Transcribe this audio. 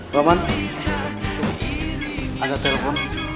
teman teman ada telepon